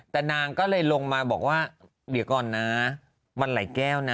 แต่นางก็เลยลงมาบอกว่าเดี๋ยวก่อนนะมันหลายแก้วนะ